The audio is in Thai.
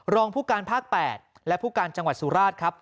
รองผู้การภาค๘และผู้การจังหวัดสุราชครับ